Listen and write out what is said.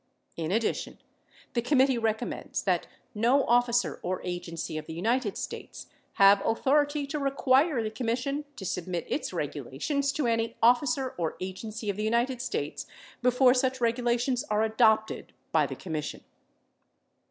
In addition, the committee recommends that no officer or agency of the United States have authority to require the Commis sion to submit its regulations to any officer or agency of the United States before such regulations are adopted by the Commission.